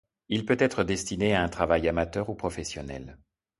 Il peut être destiné à un travail amateur ou professionnel.